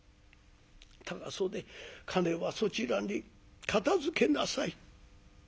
違袖金はそちらに片づけなさい。